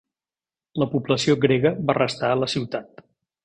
La població grega va restar a la ciutat.